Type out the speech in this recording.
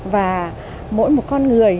và mỗi một con người